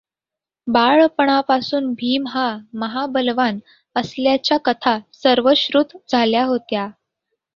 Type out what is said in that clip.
बाळपणापासून भीम हा महाबलवान असल्याच्या कथा सर्वश्रुत झाल्या होत्या.